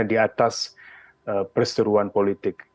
di atas perseruan politik